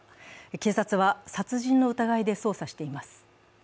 警察は殺人の疑いで捜査しています。